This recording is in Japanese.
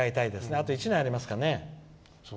あと１年ありますからね。